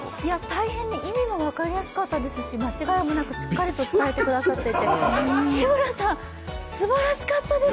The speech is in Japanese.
大変に意味も分かりやすかったですし、間違えもなく、しっかりと伝えてくださっていて、日村さん、すばらしかったです！